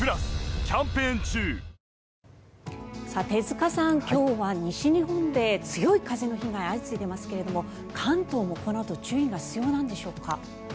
手塚さん、今日は西日本で強い風の被害が相次いでいますけど関東もこのあと注意が必要なんでしょうか。